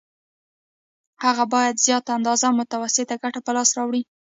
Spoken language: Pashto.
هغه باید زیاته اندازه متوسطه ګټه په لاس راوړي